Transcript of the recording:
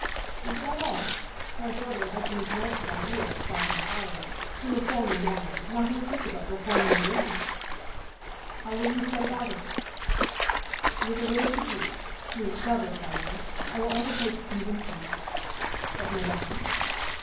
"Is that all? My brother has an exalted idea of sovereign power. To reform a man, not to speak about reforming a woman!" "How will you set about it?" "With a word to Guiche, who is a clever fellow, I will undertake to convince him." "But Madame?"